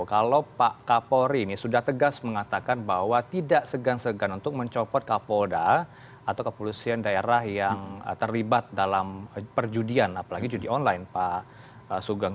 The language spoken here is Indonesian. kalau pak kapolri ini sudah tegas mengatakan bahwa tidak segan segan untuk mencopot kapolda atau kepolisian daerah yang terlibat dalam perjudian apalagi judi online pak sugeng